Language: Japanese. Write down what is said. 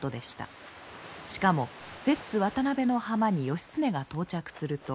しかも摂津渡辺の浜に義経が到着すると。